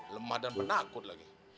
lemah dan menakut lagi